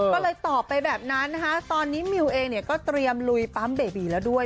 ก็เลยตอบไปแบบนั้นนะคะตอนนี้มิวเองเนี่ยก็เตรียมลุยปั๊มเบบีแล้วด้วย